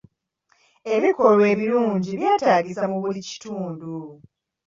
Ebikolwa ebirungi byetaagisa mu buli kitundu.